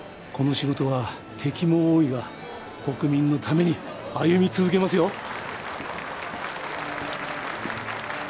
この仕事は敵も多いが国民のために歩み続けますよ。